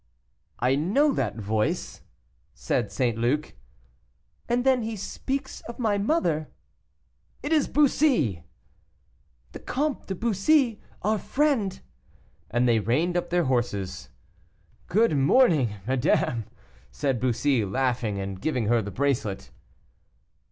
"I know that voice," said St. Luc. "And then he speaks of my mother." "It is Bussy!" "The Comte de Bussy, our friend," and they reined up their horses. "Good morning, madame," said Bussy, laughing, and giving her the bracelet.